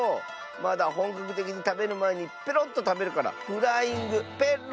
まだほんかくてきにたべるまえにペロッとたべるから「フライングペッロ」というわけじゃな。